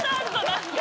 何か。